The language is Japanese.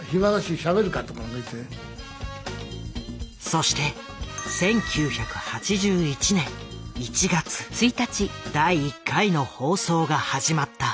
そして１９８１年１月第１回の放送が始まった。